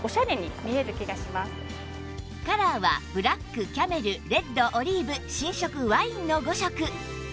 カラーはブラックキャメルレッドオリーブ新色ワインの５色